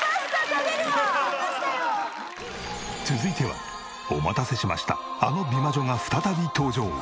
続いてはお待たせしましたあの美魔女が再び登場！